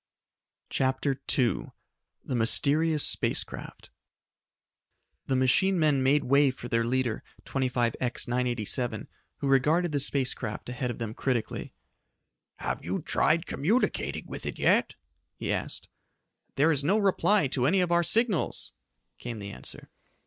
CHAPTER II The Mysterious Space Craft The machine men made way for their leader, 25X 987, who regarded the space craft ahead of them critically. "Have you tried communicating with it yet?" he asked. "There is no reply to any of our signals," came the answer.